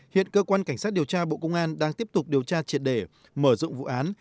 hiện cơ quan cảnh sát điều tra bộ công an đang tiếp tục điều tra triệt đề mở rộng vụ án